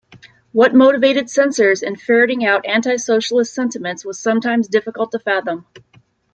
What motivated censors in ferreting out antisocialist sentiments was sometimes difficult to fathom.